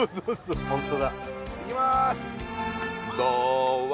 いきまーす